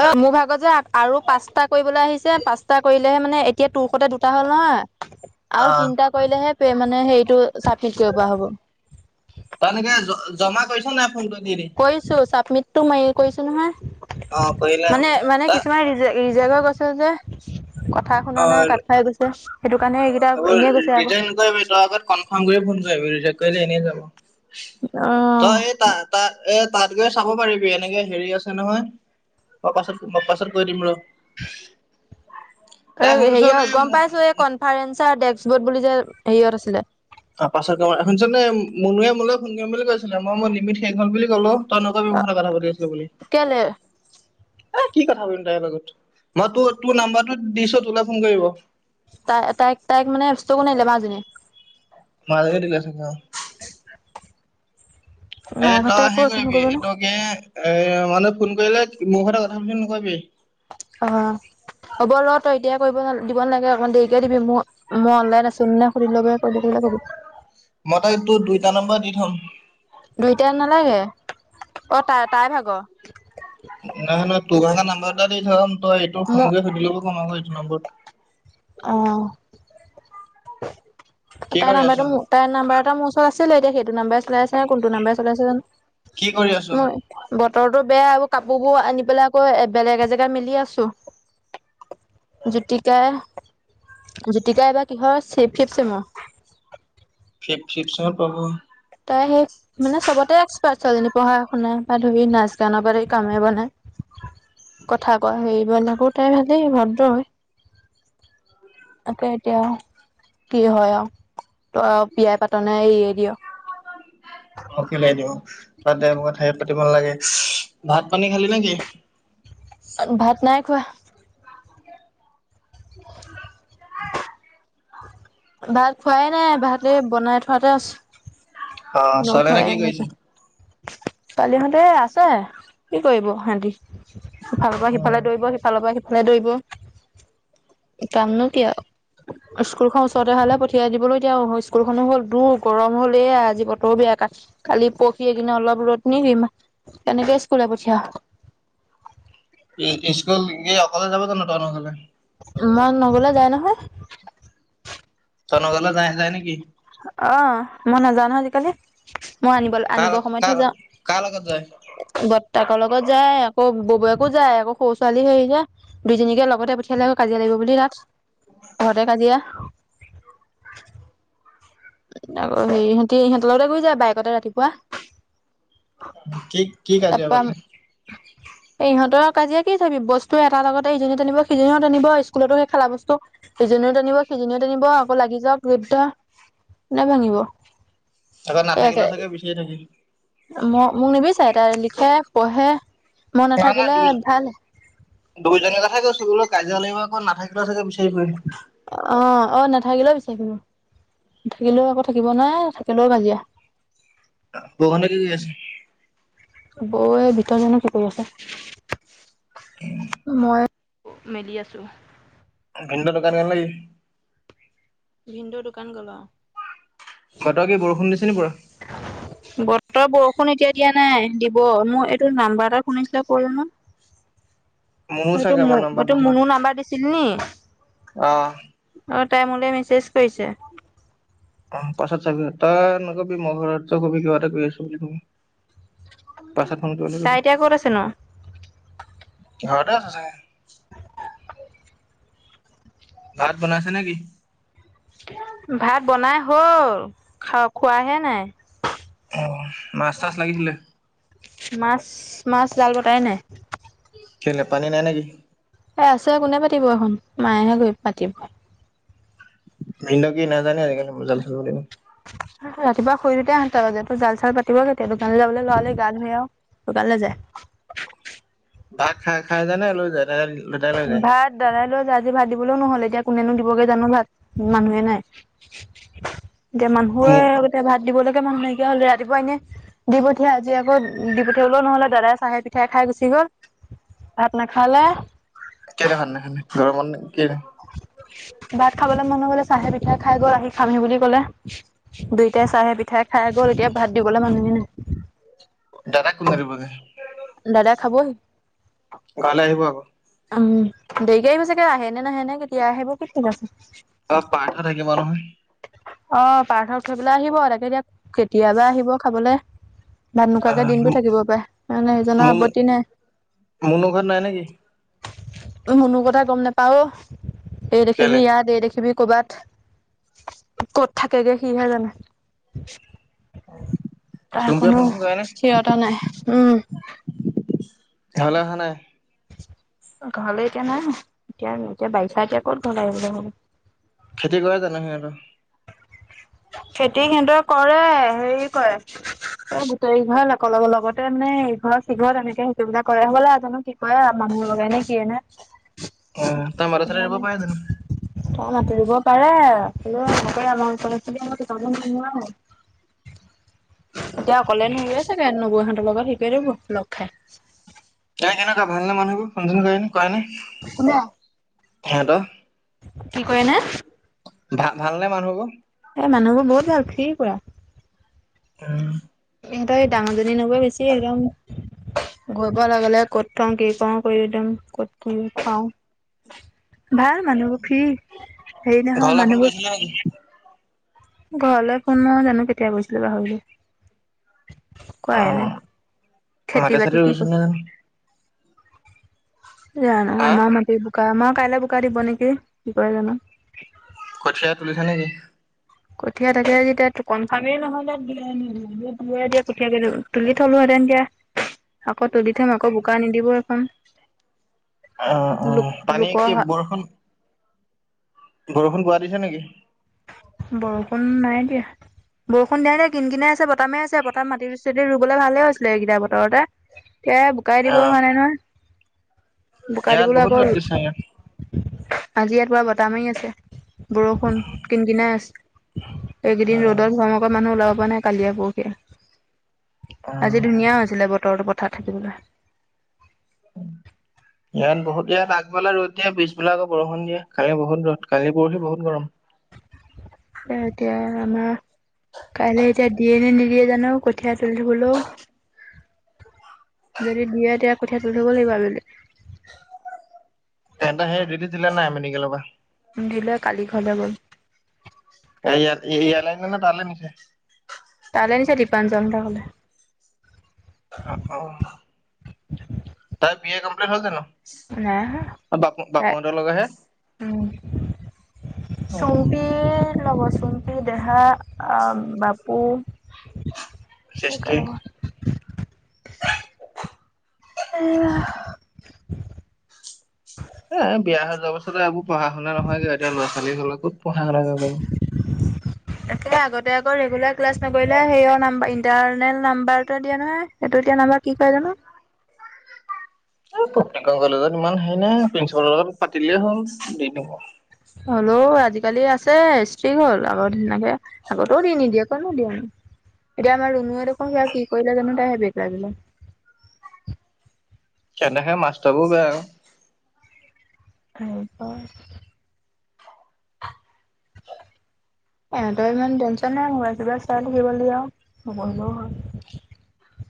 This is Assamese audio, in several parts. অ মোৰ ভাগত যে আৰু পাচটা কৰিবলৈ আহিছে পাঁচটা কৰিলেহে মানে এতিয়া তোৰ কতে দুটা হ'ল নহ আৰু অ', তিনটা কৰিলেহে মানে হেৰিতটো চাপিত কৰিব হ'ব তানকে জমা কৰিছ নাই ফোনটো কৰিছো চাবমিটটো মই কৰিছো অ', নহয় কৰিলে অ মানে মানে ত কিছুমান জেগৈ গৈছে যে কথা শুনা নাই অ', কাট খাই গৈছে সেইটো কাৰণে এইকেইটা সেইবোৰ এনে গৈছে আৰু কলে এনেই যাব অ তই এই ত এ বাত গৈ চাব পাৰিবি এনেকে হেৰি আছে নহয় মই পাছত মই পাছত কৈ দিম ৰ এই তাই শুনচোন এই হেৰিয়ত গম পাইছো এই কনফাৰেঞ্চৰ ডেক্ক বৰ্ড বুলি যে হেৰিয়ত আছিলে অ পাছতে মুনুৱে মোলৈ ফোন কৰিম বুলি কৈছিলে মই মই লিমিত শেষ হল বুলি কলো তইনক বি মুখতে কথা পাতি আছিলো বুলি কেলে এ কি কথা পাম তাইৰ মাজত মই তোৰ তোৰ নম্বাৰটো দিছ তো ফোন কৰিব তাই তাইক তাইক মানে ষ্টকো নিলে মাজজনী মাধগেৰিল চখ এই মাকহঁতে তই একো হেৰি কৰিবি কৰিব নে এইটো কি এ মানে ফোন কৰিলে মোৰ কতে কথা পাতিছো নকবি [inaudible] অ হ'ব ৰ তই এতিয়া কৰিব দিব নাগে অকমান দেৰিকে দিবি ম মই অনলাইন আছো নে শন বে কৰিলে কৰিলে বহুত মই তই তোৰ দুইটা নম্বৰ দি থ'ম দুইটা নালাগে অ তাই তাই ভাগৰ নহয় নহয় তোমে নাম্বাৰ এটা দি থাম তই এইটো ফোনকে সুধি লব কম আকৌ এইটো নম্বৰত অহ কি তাই কৰি আছ? নাম্বাৰটো তাই নাম্বাৰ এটা মোৰ চৰত আছিলে এতিয়া সেইটো নাম্ব চলাই আছে নে কোনটো নাম্বাৰ চলাইছে কি কৰি আছ? জানো মই বতৰৰতো বেয়া আৰু কাপোৰ বোৰ আনি পেলাই আকৌ বেলেগ এজেগাত মিলি আছো জোতিকা জ্যোতিকা এব কিহৰ চ ফিফ চেমৰ ফ ফিপচঙত পাব তাই সেই মানে চবতে এক্সপাৰ্ট ছালীজনী পঢ়া শুনা বা ধুৰি নাচ গানৰ পৰা কামে বনাই কথা কোৱা হেৰিব নকৌ তাই ভালেই ভদ্ৰ হয় তকে এতিয়া কি হয় আৰু ত বিয়াই পাত নাই এৰিয়ে দিয় অক লাই দিব পাতা কথাই পাতিবন লাগে ভাত পানী খালি নেকি? ভাত নাই খোৱা ভাত খোৱাই নাই ভা বনাই থোৱাতে আছে। অ', ছোৱাল ন কি কৈছে ছোৱালী হঁতে আছে কি কৰিব সিহতি সিফালৰ পৰা উম। সিফালে দৌৰিব সিফালৰ পৰা দৌৰা দৰিকৈ পাম নো কিয় স্কুলখনন ওচৰতে হালে পঠিয়াই দিবলৈ এতিয়া স্কুলখনো হ'ল দূৰ গৰম হল এ আজি বতৰো বেয়া ক কালি পঢ়ি কিনে অলপ ৰ'দ নি দিম তেনেকে স্কুলে পঠিয়া স্কুল গ অকলে যাব জ ন ত নকলে মাক নগলে যায় নহয় তই নগলে যায় যায় নেকি অ ', মই নাজানো আজিকালি- মই আনিব কাৰ আনিব সময়তহে কাৰ যাওঁ কাৰ লগত যায়? বতাকৰ লগত যাই আকৌ বো যায় আকৌ সৰু ছোৱালী হৈৰি যায় দুইজনীকে লগতে পঠিয়ালে আকৌ কাজিয়া লাগিব বুলি তাত ঘৰতে কাজিয়া আকৌ সেই সহঁতি ইিহঁতৰ লগতে গৈ যায় বাইেকতে ৰাতিপুৱা কি কি কাজে তাৰপা আবা ইহঁতৰ কাজিয়া কি চাবি বস্তু এটা লগতে ইজনী তেনিব সিজনীও তেনিব স্কুলতো সেই খেলা বস্তু ইজনীও টানিব সিজনীও টানিব আকৌ লাগি যাওক লপদ নে ভাঙিব আকৌ এ নাথাকিলেও চাগে বিচাৰি থাকিল ম মোক নিবি ত লিখে পঢ়ে মন নাথাকিলে ভাল দুয়োজীৰ কথা কৈছো বোল কাজিয়াল লাগিব কত নাথাকিলে চাগে বিচাৰি কৰিম অ', নাথাকিলেও বিচাৰিব থাকিলেও আকৌ থাকিব নাই থাকিলেও কাজিয়া বোকান কি কি আছে বৌ বিতৰ্জক চক আছে মই মেলি আছো ভিণ্ড দোকান কে লি? ভিন্দুৰ দোকান গলা বতৰ কি বৰষুণ দিছে নি পুৰা? [inaudible] বতৰ বৰষুণ এতিয়া দিয়া নাই দিব মোৰ এইটো নাম্বাৰ এটা শুনিছিলে কৰিলো নো [inaudible] মোৰো মই ত চাগে নম্বৰ মই তোক দিছিলো মনু নাম্বাৰ দিছিল নি অ', তাই মোলে মেছেজ কৰিছে অ', পাছত চাবিটা ন কি মগ ক কা এটা ক আছি পাইছা থটো তি তাই এতিয়া ক'ত আছেনো বছে ভাত বনাইছে নে কি? ভাত বনাই হ'ল খা খোৱাহে নাই অ', মাছ তাছ লাগিছিলে মাছ মাছ জাল বতাই নাই। খেলিল পানী নাই নেকি এ আছে কোনে পাতিব এখন মায়েহে গৈ পাতিব নিন্দকে নাজানে আ ৰাতিপুৱা শুই দিতে আহ তাতটো জাল চাল পাতি কেতিয়া দোকান যাবলৈ ললে গা ধুইও দোকানলৈ যায় ভাত খাই খাই জানে লৈ যায় দাদাই লৈ যায়? ভাত দাদাই লছ আজি ভাত দিবলৈও নহ'লে এতিয়া কোনেনো দিবগে জানো ভাত মানুহে নাই এতিয়া মানুহে মোক এতি ভাত দিবলৈগে মানুহ নাইকিয়া হ'লে ৰা দিব এনে দি পঠিয়াই আজি আকৌ দি পঠিয়াই ওলও নহ'লে দাদাই চাহে পিঠাই খাই গুচি গ'ল আাত ন খালে কেনে হয়াননেনে গৰমৰ কিনে হয় ভাত খাবলে মন ন গলে চাহে পিঠাই খাই গ'ল আহি খামহি বুলি কলে দুইটাই চাহে পিঠাই খাই গ'ল এতিয়া ভাত দিবলে মানুহে নাই ডৰাৰাক নৰি পজ দাদা খাব গলে আহিব আকৌ উম দেৰিক আহিব চাগে আহে নে নাহে নে কেতিয়া আহিব কি ঠিক আছে। অ পাৰ্থ থাকিব নহয় অ পাৰ্থত থৈ পেলাই আহিব তাকে দতিয়া কেতিয়াবা আহিব খাবলৈ ভাত নোকোৱাকে আহ দিনবোৰ থাকিব পাৰে মে সিজনৰ মুনু আৱত্তি মুনু ঘৰত নেকি নাই মুনু কথা গম নোপাও এই কেলে দেখিবি ইয়াত এই দেখিবি কৰ'বাত ক'ত থাকেগে সিহে জানে তাৰ চুম্পীয়ে কোনো ফোন চোন কৰে নে স্থিৰতা নাই উম অহা নাই ঘৰলৈ এতিয়া নাই এতিয়া এতিয়া বাৰিষা এতিয়া ক'ত ঘৰলৈ আহবলে হব খেতি কৰে জানো সিহতৰ খেতি সিহঁটোৰ কৰে হেৰি কয় এ গোটেইঘৰ লগ লগতে মানে এইঘৰ সিঘৰ তেনেকে সেইটো কা কৰে বোলে এজানো কি ক আ মানুহ লগাই নে কি এ নে অ মাটি চাটি এৰিব পাৰে জানো তাই মাটি ৰুব পাৰে এতিয়া অকলে নুৰুৱে চাগৈ লগত হেইপিনে বহুত লগ খাই নাই কেনেকুৱা ভালনে মানুহবোৰ ফোন চোন কৰেনে কোনে সিহতৰ কি কৰেনে ভা ভালনেে মানুহবোৰ এই মানুহবোৰ বহুত ভাল ফ্ৰী পোৰা উম ইহঁতৰ এই ডাঙৰজনী নবৈ বেছি একদম গৈ পোৱা লগে লগে কত থওঁ কি কওঁ কৰি একদম ভাল মানুহবোৰ ফ্ৰী হেৰি নহয় ঘৰলে ফোন মানুহবোৰ কৰিছিলে নেকি ঘৰলৈ ফোন মঅই জানো কেতিয়া কৰিছিলো পাহৰিল অ কৰাই নাই মাটি খেতি চাটি বাতি কি ৰুইছে নে জানো জানো হা আমাৰ মাটি বোকা আমাৰ কাইলৈ বোকা দিব নেকি কি ক জানো কঠীয়া তুলিছে নেকি কঠীয়া তাকে যেতিয়া কনফাৰ্ম এ নহয় দিয় কঠিয় তুলি থলো তেন দিয়া আকৌ তুলি থম আকৌ বোকা নিদিব এখন অ অ লোক পানী কি লোকৰ বৰষুণ বৰষুণ পোৱা দিছে নেকি? বৰষুণ নাই দিয়া। বৰষুণ নাই দিয়া কিন কিনাই আছে, বতাহ মাৰি আছে, পথাৰত মাটি চি ৰুবলে ভালে হৈছিলে এইকেইটা বতৰতে। এয়া বুকাই দিব অ হোৱা নাই নহয়। বোকা ইয়াত দিবলৈ বহুত আকৌ। ৰ'দ দিছে ইয়াত আজি ইয়াৰ পোৱা বতাহ মাৰি আছে, বৰষুণ কিন কিনাই আছে। এইকেইদিন অ', ৰ'দত ভমকত মানুহ ওলাব পৰা নাই কালিয়ে পৰখিয়ে। আজি অ'। ধুনীয়া হৈছিলে বতৰটো পথাৰত থাকিবলৈ। ইয়াত বহুত ইয়াত আগবালে ৰ'দ দিয়ে, পিছবেলা আকৌ বৰষুণ দিয়ে, কালি বহুত ৰ'দ কালি পৰহি বহুত গৰম। এতিয়া আমাৰ। কাইলৈ এতিয়া দিয়ে নে নিদিয়ে জানো কঠীয়া তুলি থবলেও। যদি দিয়ে তেতিয়া কঠীয়া তুলি থ'ব লাগিব আবেলি। তেহেত সেই ৰেলিজ দিলা নে নাই মেডিকেল পাহ। দিলে কালি ঘৰলৈ গ'ল। এইয়াত আনিলেনে তালে নিচে? তালে নিচে দিপাঞ্জল হঁতৰ ঘৰলে। অ', অ', তাই বি এ কমপ্লেত হ'ল জানো। নাই হোৱা বাপু তাক বাপুহঁতৰ লগৰহে উম। অ', চুম্পী লগৰ চুম্পি দেহা আৰু বাপু। সৃষ্টি। সেইকাৰণে এয়াহ এ বিয়া হৈ যোৱাৰ পাছত এই বোৰ পঢ়া শুনা নহয়গৈ, এতিয়া ল'ৰা ছালী হ'লে ক'ত পঢ়া শুনা তাকে আগতে আকৌ ৰেগুলাৰ ক্লাছ নকৰিলে সেই নাম্বৰ ইন্টাৰনেল নাম্বাৰ এটা দিয়ে নহয়। টো দিয়া নম্বৰ কি কয় জানোঁ? প্ৰতিখন কলেজত ইমান হেৰি নাই প্ৰিন্ঞ্চিপালৰ লগত পাতিলেই হ'ল দি দিব। হ'লেও আজিকালি আছে ষ্ট্ৰিং হ'ল আগৰ ধনাকে আগতেও দি নিদিয়ে কতনো দিয়ে। এতিয়া আমাৰ ৰুনুৱে দেখোন আৰু কি কৰিলে জানো তাইহে বেগ লাগিলে। সিহঁতৰ সেই মাষ্টাৰ বোৰ বেয়া। আৰুপাৰ ইহঁতৰ ইমান টেনচন নাই মোবাইল চোবাই চাই থাকিব লাগে আৰু নপহিলেও হ'লেও হয়।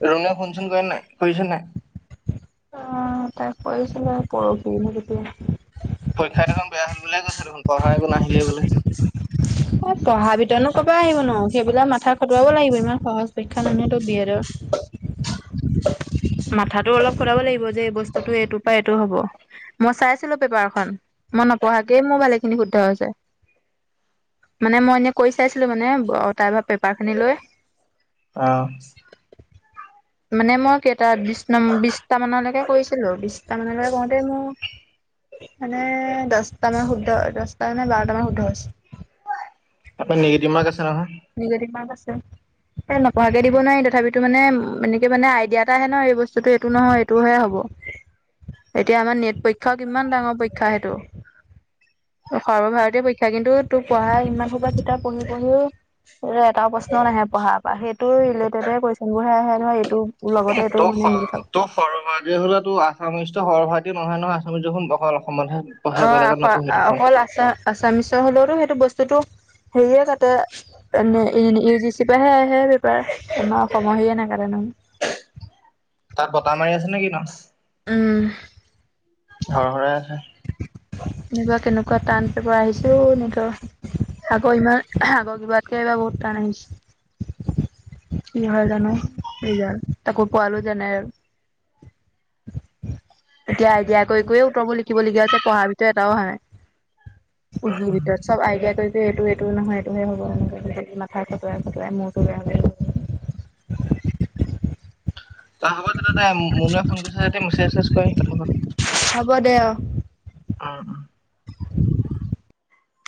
ৰুণয়ে ফোনচোন কৰে নাই কৰিছে নাই? অ' তাই কৰিছিলে পৰখি মোক তেতিয়া। পৰীক্ষাত দেখোন বেয়া হ'ল বুলিয়ে কৈছ দেখোন, পঢ়া একো নাহিলেই বোলে। পঢ়া ভিতৰতো ক'ব আহিব ন সেইবিলাক মাথা খটুৱাব লাগিব। ইমান সহজ পৰিক্ষা নহয়টো বি এডৰ। [inaudible] মাথাটো অলপ খটাব লাগিব যে এই বস্তুটো এইটো পৰা এইটো হ'ব। মই চাইছিলো পেপাৰখন মই নপঢ়াকে মোৰ ভালেখিনি শুদ্ধ হৈছে। মানে মই এনে কৈ চাইছিলো মানে তাই পৰা পেপাৰ খিনি লৈ অহ'। মানে মই কে তা‌‌য বিশ ন বিশটা মানলৈকে কৰিছিলো, বিশটা মানলৈকে কৰওঁতে মোৰ মানে দহটা মান শুদ্ধ দহটা মানে বাৰটা মান শুদ্ধ হৈছে। তাতে নিগেটিভ মাৰ্ক আছে নহয়? নিগেটিভ মাৰ্গ আছে। এ নপঢোৱাকে দিব নোৱাৰি। তথাপিতো মানে এনেক মানে আইডিয়া এটা আহে ন এই বস্তুটো এইটো নহয় এইটোহে হ'ব। এতিয়া আমাৰ নেট পৰীক্ষাও কিমান ডাঙৰ পৰীক্ষা সেইটো। সৰ্বভাৰতীয় পৰীক্ষা, কিন্তু তোৰ পঢ়া ইমান খোবা কিতাপ পঢ়ি পঢ়িও। এটাও প্ৰশ্ন নাহে, পঢ়াৰ পৰা সেইটো ৰিলেটেডে কুৱেশচন বোৰ হে আহে নয় এইটো এ লগতে এইটো মানে তই মিলি থাকক ত সৰ্বভাৰতীয় হ'লে তো আছামিজ তো সৰ্বভাৰতীয় নহয় নহয় আছামিজখ বহল অ', অক-অকল আমা-আছামিছৰ হলেওতো সেইটো বস্তুটো হেৰিয়ে কাটে এ ইউ জি চি পৰাহে আহে পেপাৰ তোমাৰ অসমৰ হেৰীয়ে না কাটে নহয়।। [inaudible] তাত বটা মাৰি আছে নে কি নো? উম। হৰ-হৰাই আছে। এবা কেনেকুৱা টান পেপাৰ আহিছে ঔ নিটৰ। আগৰ ইমান আগৰ [unintelligible] এইবাৰ বহুত টান আহিছে। কি হয় জানো ৰিজাল? তাকো পোৱালো জেনেৰেল। এতিয়া আইডিয়া কৰি-কৰিয়ে উত্তৰবোৰ লিখিবলগীয়া হৈছে পঢ়াৰ ভিতৰত এটাও অহানাই। [unintelligible] ভিতৰত চব আইডিয়া কৰি এইটো এইটো নহয় এইটোহে হ'ব এনেকৈ মাথা খটুৱাই-খটুৱাই মূৰটো [inaudible] তাৰ আগত যে মোনুয়ে ফোন [unintelligible] মেছেজ-চেচেজ কৰি কথা পাত। হ'ব দে আৰু। উম।